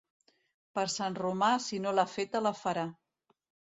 Per Sant Romà si no l'ha feta la farà.